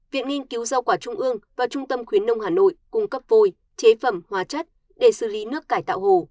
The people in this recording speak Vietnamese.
viện nghiên cứu giao quả trung ương và trung tâm khuyến nông hà nội cung cấp vôi chế phẩm hóa chất để xử lý nước cải tạo hồ